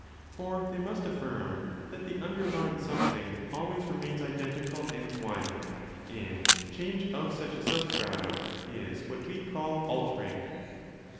For they must affirm that the under lying something always remains identical.and one; and change of such a substratum is what we call 'altering'.